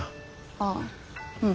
ああうん。